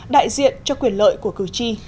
đại diện cho quyền lợi của cử tri